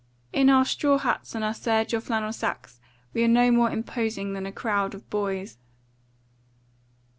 In our straw hats and our serge or flannel sacks we are no more imposing than a crowd of boys.